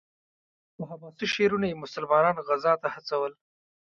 په حماسي شعرونو یې مسلمانان غزا ته هڅول.